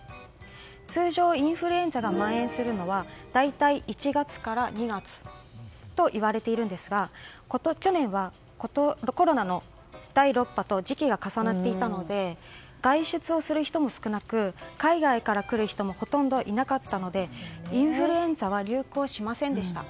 通常、インフルエンザがまん延するのは大体１月から２月といわれているんですが去年はコロナの第６波と時期が重なっていたので外出をする人も少なく海外から来る人もほとんどいなかったのでインフルエンザは流行しませんでした。